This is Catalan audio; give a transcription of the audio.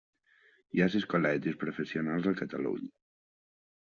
Hi ha sis col·legis professionals a Catalunya.